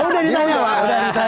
oh udah ditanya pak